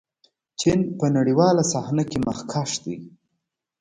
چین په نړیواله صحنه کې مخکښ دی.